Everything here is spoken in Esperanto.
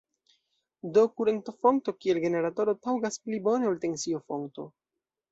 Do kurento-fonto kiel generatoro taŭgas pli bone ol tensio-fonto.